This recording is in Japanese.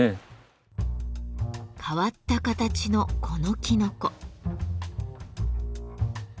変わった形のこのきのこ。